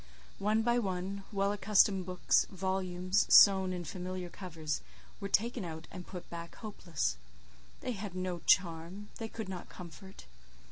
One by one, well accustomed books, volumes sewn in familiar covers, were taken out and put back hopeless: they had no charm; they could not comfort.